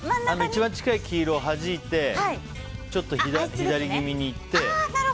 一番近い黄色をはじいてちょっと左気味にいって。